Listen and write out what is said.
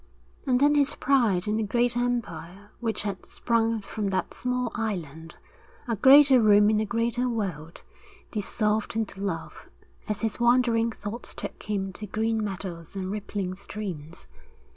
And then his pride in the great empire which had sprung from that small island, a greater Rome in a greater world, dissolved into love as his wandering thoughts took him to green meadows and rippling streams.